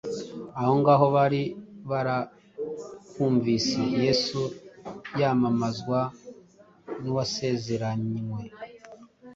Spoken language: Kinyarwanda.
Aho ngaho bari barahumvise Yesu yamamazwa nk’Uwasezeranywe